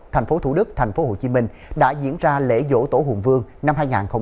thành phố thủ đức thành phố hồ chí minh đã diễn ra lễ dỗ tổ hùng vương năm hai nghìn hai mươi ba